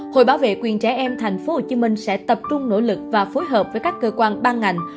hội bảo vệ quyền trẻ em tp hcm sẽ tập trung nỗ lực và phối hợp với các cơ quan ban ngành